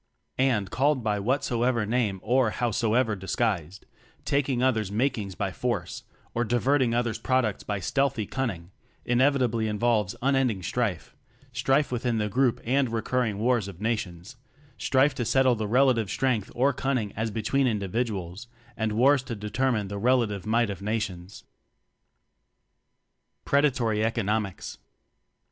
And, called by whatsoever name or how soever disguised, taking others' mak ings by force, or diverting others' products by stealthy cunning, inevit ably involves unending strife; strife within . the group and recurring wars of nations strife to settle the rela tive strength or cunning as between individuals, and wars to determine the relative might of nations. Predatory Economics.